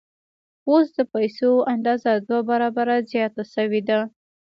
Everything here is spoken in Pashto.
اوس د پیسو اندازه دوه برابره زیاته شوې ده